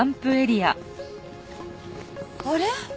あれ？